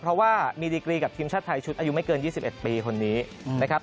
เพราะว่ามีดีกรีกับทีมชาติไทยชุดอายุไม่เกิน๒๑ปีคนนี้นะครับ